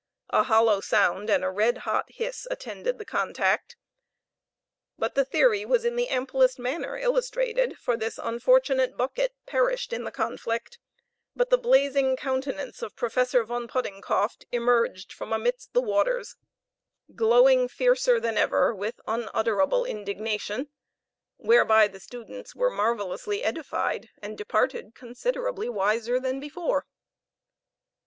A hollow sound, and a red hot hiss, attended the contact; but the theory was in the amplest manner illustrated, for the unfortunate bucket perished in the conflict; but the blazing countenance of Professor Von Poddingcoft emerged from amidst the waters, glowing fiercer than ever with unutterable indignation, whereby the students were marvelously edified, and departed considerably wiser than before.